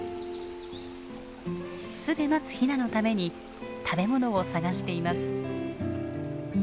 巣で待つヒナのために食べ物を探しています。